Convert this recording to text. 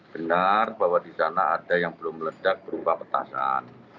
benar bahwa di sana ada yang belum meledak berupa petasan